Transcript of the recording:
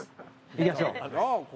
行きましょう。